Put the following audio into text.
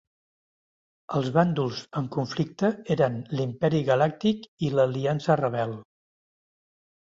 Els bàndols en conflicte eren l'Imperi Galàctic i l'Aliança Rebel.